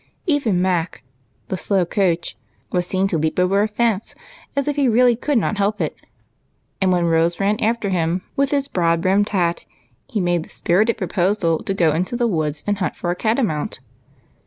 Even Mac, the " slow coach," was seen to leap over a fence as if he really could not help it ; and when Rose ran after him with his broad brimmed hat, he made the spirited proposal to go into the Avoods and hunt for a catamount.